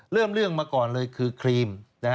เรื่องเรื่องมาก่อนเลยคือครีม